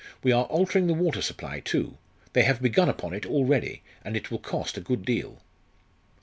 We are altering the water supply too. They have begun upon it already, and it will cost a good deal."